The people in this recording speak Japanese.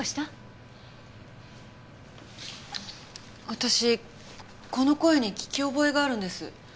私この声に聞き覚えがあるんです。